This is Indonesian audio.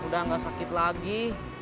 udah gak sakit lagi